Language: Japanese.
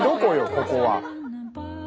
ここは。